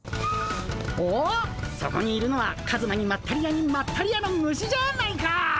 おっそこにいるのはカズマにまったり屋にまったり屋の虫じゃないか！